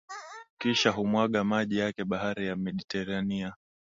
Kisha humwaga maji yake bahari ya Mediteranea